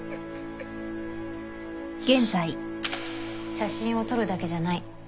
写真を撮るだけじゃない。